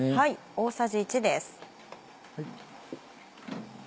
大さじ１です。